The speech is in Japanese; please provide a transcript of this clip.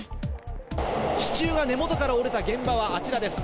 支柱が根元から折れた現場はあちらです。